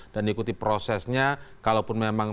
dan ikuti prosesnya kalaupun memang